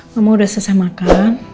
mama udah selesai makan